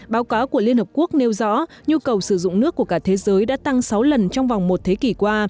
báo cáo của liên hợp quốc nêu rõ nhu cầu sử dụng nước của cả thế giới đã tăng sáu lần trong vòng một thế kỷ qua